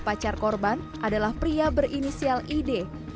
pacar korban adalah pria berinisial id